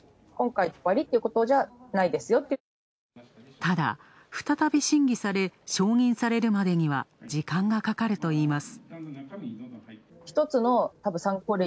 ただ、再び審議され、承認されるまでには、時間がかかるといいます。